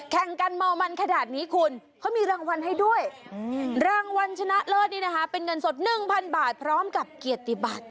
แข่งกันเมามันขนาดนี้คุณเขามีรางวัลให้ด้วยรางวัลชนะเลิศนี่นะคะเป็นเงินสด๑๐๐๐บาทพร้อมกับเกียรติบัติ